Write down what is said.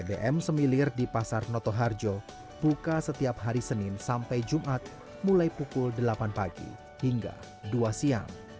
bbm semilir di pasar noto harjo buka setiap hari senin sampai jumat mulai pukul delapan pagi hingga dua siang